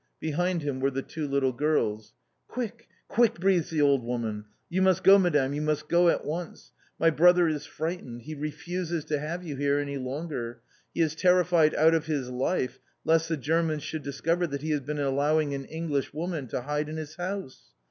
Behind him were the two little girls. "Quick, quick!" breathes the old woman, "you must go, Madame, you must go at once! My brother is frightened; he refuses to have you here any longer. He is terrified out of his life lest the Germans should discover that he has been allowing an English woman to hide in his house!"